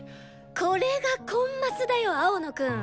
これがコンマスだよ青野くん。